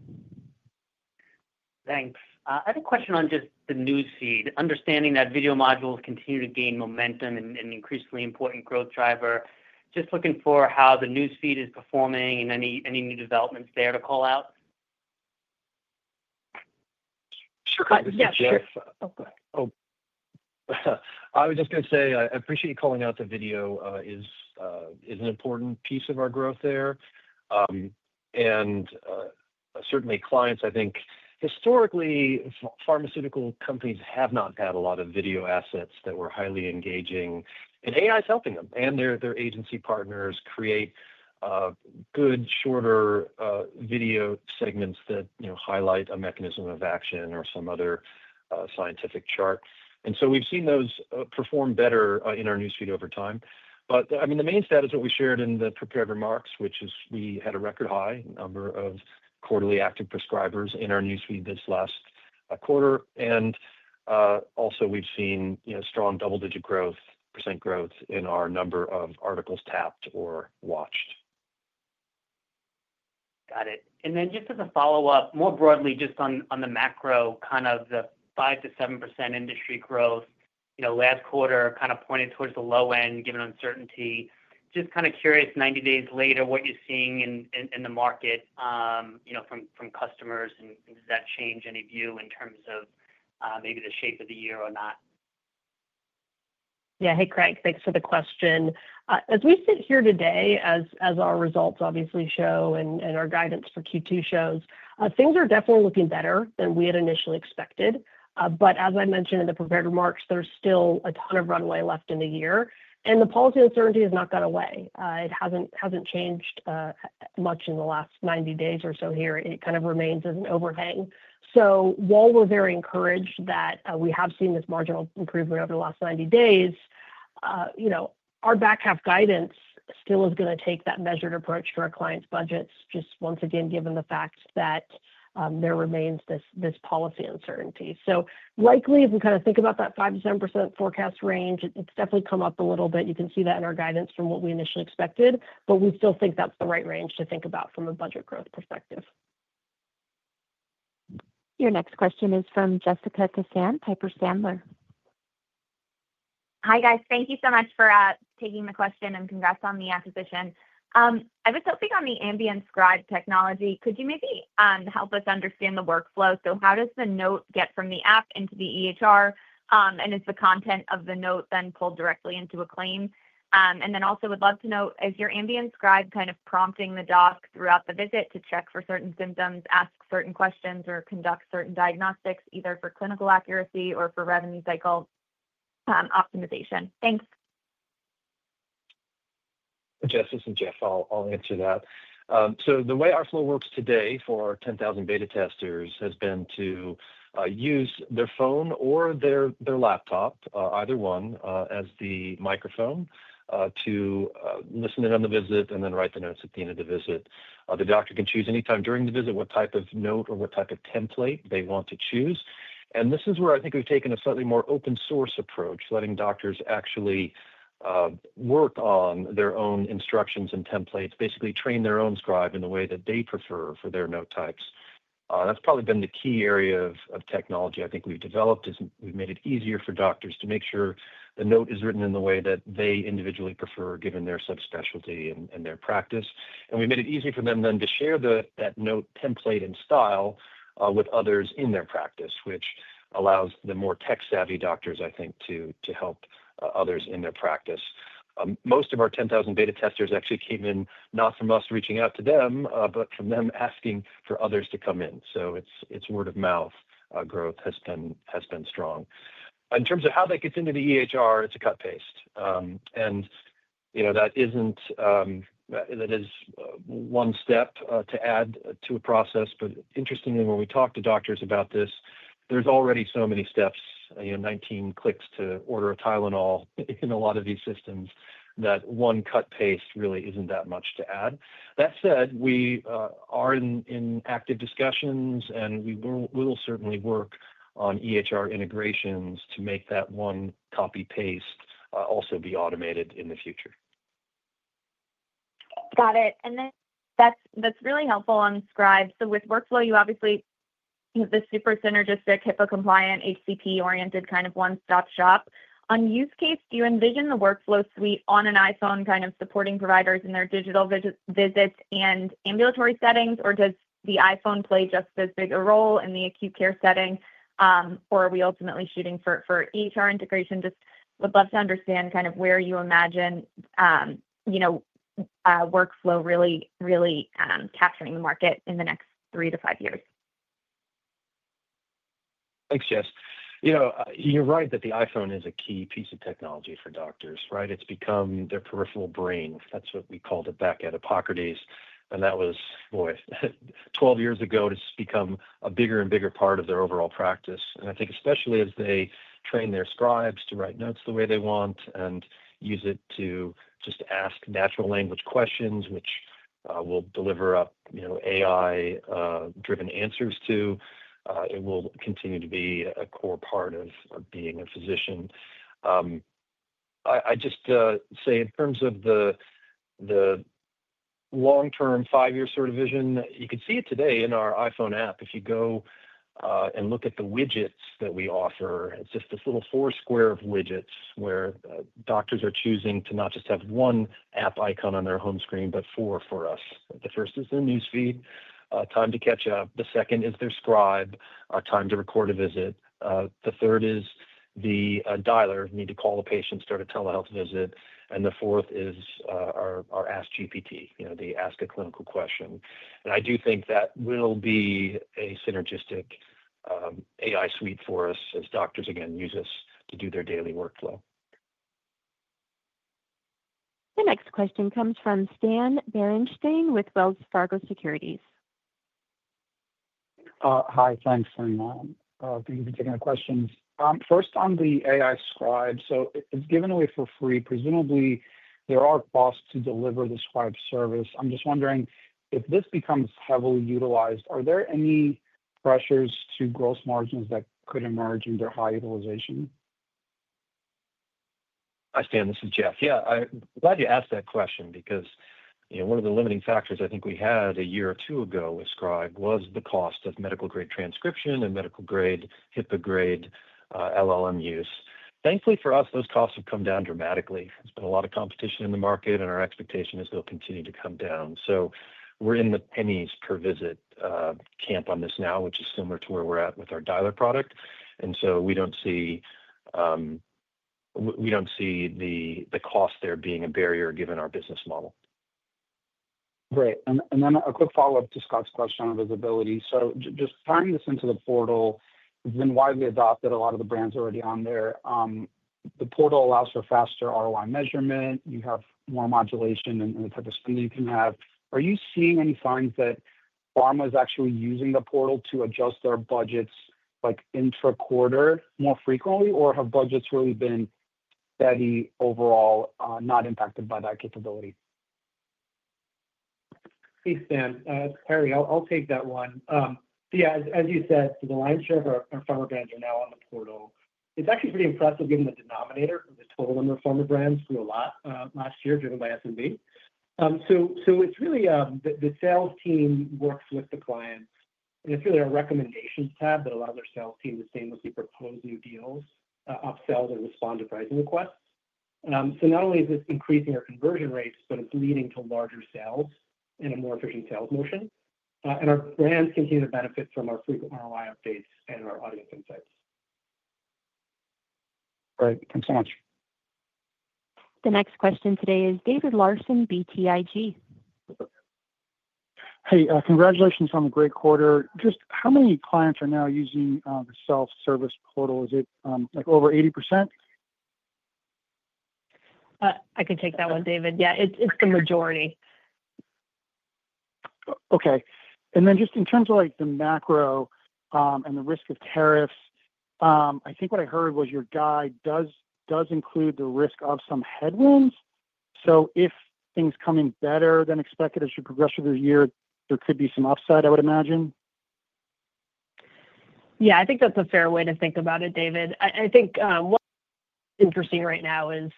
Thanks. I have a question on just the newsfeed, understanding that video modules continue to gain momentum and are an increasingly important growth driver. Just looking for how the newsfeed is performing and any new developments there to call out. Sure. I was just going to say I appreciate you calling out the video as an important piece of our growth there. Certainly, clients, I think, historically, pharmaceutical companies have not had a lot of video assets that were highly engaging. AI is helping them and their agency partners create good, shorter video segments that highlight a mechanism of action or some other scientific chart. We have seen those perform better in our newsfeed over time. The main stats are what we shared in the prepared remarks, which is we had a record high number of quarterly active prescribers in our newsfeed this last quarter. Also, we've seen strong double-digit percent growth in our number of articles tapped or watched. Got it. Just as a follow-up, more broadly, on the macro, kind of the 5%-7% industry growth, last quarter kind of pointed towards the low end given uncertainty. Just kind of curious, 90 days later, what you're seeing in the market from customers, and does that change any view in terms of maybe the shape of the year or not? Yeah. Hey, Craig. Thanks for the question. As we sit here today, as our results obviously show and our guidance for Q2 shows, things are definitely looking better than we had initially expected. As I mentioned in the prepared remarks, there's still a ton of runway left in the year. The policy uncertainty has not gone away. It hasn't changed much in the last 90 days or so here. It kind of remains as an overhang. While we're very encouraged that we have seen this marginal improvement over the last 90 days, our back half guidance still is going to take that measured approach to our clients' budgets, just once again, given the fact that there remains this policy uncertainty. Likely, if we kind of think about that 5%-7% forecast range, it's definitely come up a little bit. You can see that in our guidance from what we initially expected, but we still think that's the right range to think about from a budget growth perspective. Your next question is from Jessica Tassan, Piper Sandler. Hi, guys. Thank you so much for taking the question and congrats on the acquisition. I was hoping on the Doximity AI Scribe technology. Could you maybe help us understand the workflow? How does the note get from the app into the EHR, and is the content of the note then pulled directly into a claim? I would love to know, is your Doximity AI Scribe kind of prompting the doc throughout the visit to check for certain symptoms, ask certain questions, or conduct certain diagnostics, either for clinical accuracy or for revenue cycle optimization? Thanks. Jessica, Jeff, I'll answer that. The way our flow works today for our 10,000 beta testers has been to use their phone or their laptop, either one, as the microphone to listen in on the visit and then write the notes at the end of the visit. The doctor can choose anytime during the visit what type of note or what type of template they want to choose. This is where I think we've taken a slightly more open-source approach, letting doctors actually work on their own instructions and templates, basically train their own Scribe in the way that they prefer for their note types. That's probably been the key area of technology I think we've developed. We've made it easier for doctors to make sure the note is written in the way that they individually prefer, given their subspecialty and their practice. We've made it easy for them then to share that note template and style with others in their practice, which allows the more tech-savvy doctors, I think, to help others in their practice. Most of our 10,000 beta testers actually came in not from us reaching out to them, but from them asking for others to come in. Word-of-mouth growth has been strong. In terms of how that gets into the EHR, it's a cut paste. There isn't one step to add to a process. Interestingly, when we talk to doctors about this, there are already so many steps, 19 clicks to order a Tylenol in a lot of these systems, that one cut paste really isn't that much to add. That said, we are in active discussions, and we will certainly work on EHR integrations to make that one copy-paste also be automated in the future. Got it. That's really helpful on Scribe. With workflow, you obviously have this super synergistic, HIPAA-compliant, HCP-oriented kind of one-stop shop. On use case, do you envision the workflow suite on an iPhone supporting providers in their digital visits and ambulatory settings, or does the iPhone play just as big a role in the acute care setting, or are we ultimately shooting for EHR integration? I would love to understand where you imagine workflow really, really capturing the market in the next three to five years. Thanks, Jess. You're right that the iPhone is a key piece of technology for doctors, right? It's become their peripheral brain. That's what we called it back at Hippocrates. That was, boy, 12 years ago. It's become a bigger and bigger part of their overall practice. I think especially as they train their scribes to write notes the way they want and use it to just ask natural language questions, which will deliver up, you know, AI-driven answers to, it will continue to be a core part of being a physician. I just say in terms of the long-term five-year sort of vision, you can see it today in our iPhone app. If you go and look at the widgets that we offer, it's just this little four square of widgets where doctors are choosing to not just have one app icon on their home screen, but four for us. The first is their newsfeed, time to catch up. The second is their Scribe, our time to record a visit. The third is the dialer, need to call a patient, start a telehealth visit. The fourth is our Ask GPT, you know, the ask a clinical question. I do think that will be a synergistic AI suite for us as doctors, again, use us to do their daily workflow. The next question comes from Stan Berenshteyn with Wells Fargo Securities. Hi. Thanks, everyone, for taking the questions. First, on the Doximity AI Scribe, it's given away for free. Presumably, there are costs to deliver the Scribe service. I'm just wondering, if this becomes heavily utilized, are there any pressures to gross margins that could emerge in their high utilization? Hi, Stan. This is Jeff. I'm glad you asked that question because one of the limiting factors I think we had a year or two ago with Scribe was the cost of medical-grade transcription and medical-grade, HIPAA-grade LLM use. Thankfully for us, those costs have come down dramatically. There's been a lot of competition in the market, and our expectation is they'll continue to come down. We're in the pennies per visit camp on this now, which is similar to where we're at with our dialer product. We don't see the cost there being a barrier given our business model. Great. A quick follow-up to Scott's question on visibility. Just tying this into the portal, it's been widely adopted. A lot of the brands are already on there. The portal allows for faster ROI measurement. You have more modulation in the type of screening you can have. Are you seeing any signs that pharma is actually using the portal to adjust their budgets like intra-quarter more frequently, or have budgets really been steady overall, not impacted by that capability? Hey, Stan. Perry, I'll take that one. Yeah, as you said, the lion's share of our pharma brands are now on the portal. It's actually pretty impressive given the denominator of the total number of pharma brands through a lot last year driven by SMB. The sales team works with the client, and it's really our recommendations tab that allows our sales team to stay in with you for post-need deals, upsells, and respond to pricing requests. Not only is this increasing our conversion rates, but it's leading to larger sales and a more efficient sales motion. Our brands continue to benefit from our frequent ROI updates and our audience insights. Great, thanks so much. The next question today is David Larsen, BTIG. Hey, congratulations on the great quarter. Just how many clients are now using the self-service portal? Is it like over 80%? I can take that one, David. Yeah, it's the majority. Okay. In terms of the macro and the risk of tariffs, I think what I heard was your guide does include the risk of some headwinds. If things come in better than expected as you progress through the year, there could be some upside, I would imagine. Yeah, I think that's a fair way to think about it, David. I think what's interesting right now is,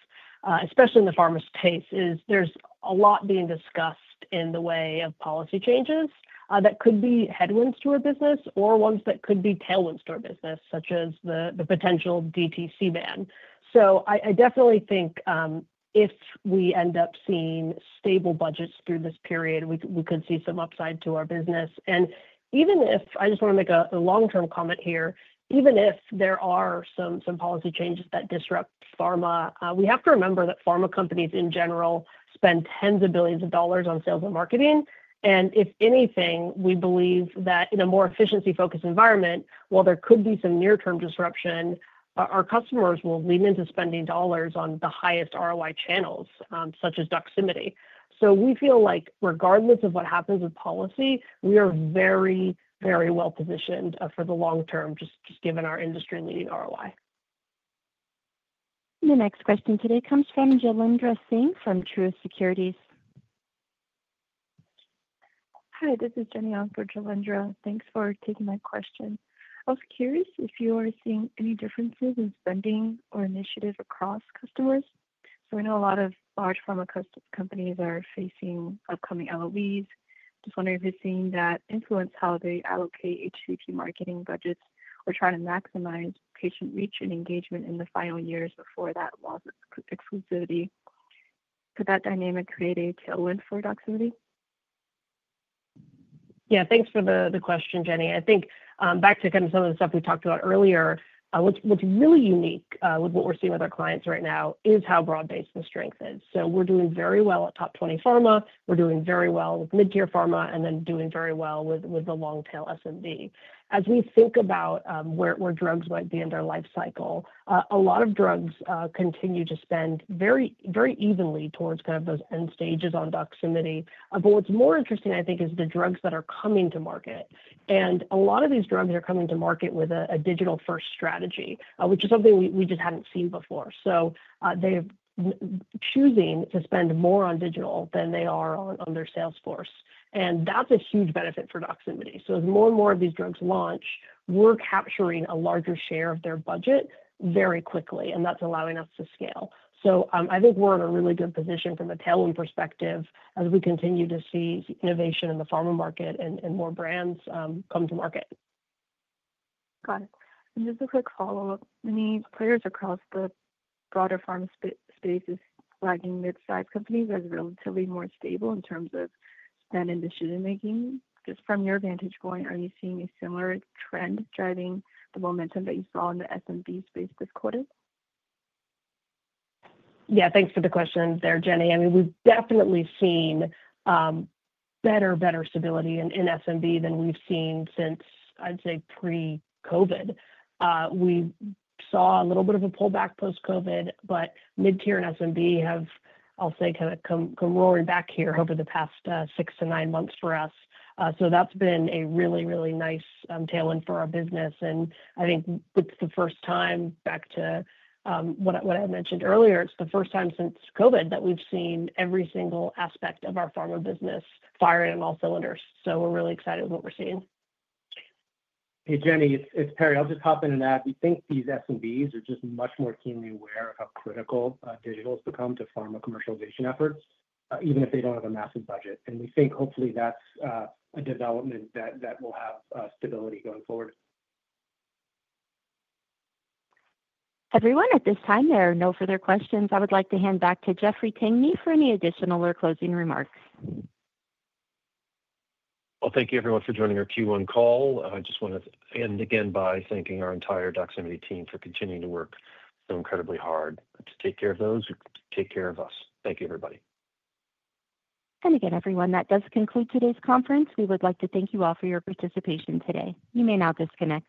especially in the pharma space, there's a lot being discussed in the way of policy changes that could be headwinds to our business or ones that could be tailwinds to our business, such as the potential DTC ban. I definitely think if we end up seeing stable budgets through this period, we could see some upside to our business. Even if I just want to make a long-term comment here, even if there are some policy changes that disrupt pharma, we have to remember that pharma companies, in general, spend tens of billions of dollars on sales and marketing. If anything, we believe that in a more efficiency-focused environment, while there could be some near-term disruption, our customers will lean into spending dollars on the highest ROI channels, such as Doximity. We feel like regardless of what happens with policy, we are very, very well positioned for the long term, just given our industry-leading ROI. The next question today comes from Jailendra Singh from Truist Securities. Hi. This is Jenny for Jailendra. Thanks for taking that question. I was curious if you are seeing any differences in spending or initiative across customers. I know a lot of large pharma companies are facing upcoming LOEs. I was wondering if you're seeing that influence how they allocate HVP marketing budgets or try to maximize patient reach and engagement in the final years before that loss of exclusivity. Could that dynamic create a tailwind for Doximity? Yeah, thanks for the question, Jenny. I think back to some of the stuff we talked about earlier. What's really unique with what we're seeing with our clients right now is how broad-based the strength is. We're doing very well at top 20 pharma, we're doing very well with mid-tier pharma, and then doing very well with the long-tail SMB. As we think about where drugs might be in their life cycle, a lot of drugs continue to spend very, very evenly towards those end stages on Doximity. What's more interesting, I think, is the drugs that are coming to market. A lot of these drugs are coming to market with a digital-first strategy, which is something we just hadn't seen before. They're choosing to spend more on digital than they are on their sales force, and that's a huge benefit for Doximity. As more and more of these drugs launch, we're capturing a larger share of their budget very quickly, and that's allowing us to scale. I think we're in a really good position from a tailwind perspective as we continue to see innovation in the pharma market and more brands come to market. Got it. Just a quick follow-up. Any players across the broader pharma space flagging mid-size companies as relatively more stable in terms of that initiative making? Just from your vantage point, are you seeing a similar trend driving the momentum that you saw in the SMB space this quarter? Yeah, thanks for the question there, Jenny. We've definitely seen better stability in SMB than we've seen since, I'd say, pre-COVID. We saw a little bit of a pullback post-COVID, but mid-tier and SMB have, I'll say, kind of come roaring back here over the past six to nine months for us. That's been a really, really nice tailwind for our business. I think it's the first time, back to what I mentioned earlier, it's the first time since COVID that we've seen every single aspect of our pharma business fire in all cylinders. We're really excited with what we're seeing. Hey, Jenny. It's Perry. I'll just hop in and add, we think these SMBs are just much more keenly aware of how critical digital has become to pharma commercialization efforts, even if they don't have a massive budget. We think hopefully that's a development that will have stability going forward. Everyone, at this time, there are no further questions. I would like to hand back to Jeff Tangney for any additional or closing remarks. Thank you, everyone, for joining our Q1 call. I just want to end again by thanking our entire Doximity team for continuing to work so incredibly hard to take care of those who take care of us. Thank you, everybody. Everyone, that does conclude today's conference. We would like to thank you all for your participation today. You may now disconnect.